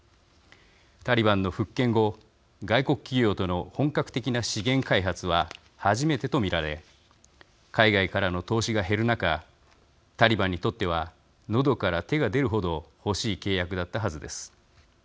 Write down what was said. タリバンの復権後外国企業との本格的な資源開発は初めてと見られ海外からの投資が減る中タリバンにとってはのどから手が出るほど欲しい契約だったはずです。